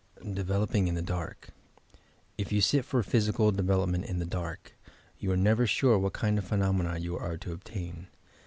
OEVELOPINO IN THE DARK If you sit for physical development in the dark, yoa are never sure what kind of phenomena you are to ob tain.